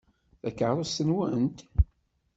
D takeṛṛust-nwent?